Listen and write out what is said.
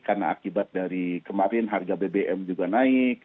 karena akibat dari kemarin harga bbm juga naik